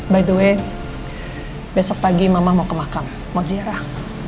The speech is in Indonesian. by the way besok pagi mama mau ke makam mau ziarah